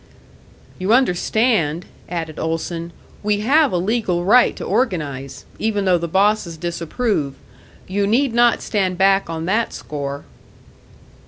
"You understand," added Olson, "we have a legal right to organise even though the bosses disapprove. You need not stand back on that score."